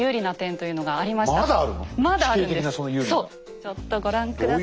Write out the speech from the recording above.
ちょっとご覧下さい。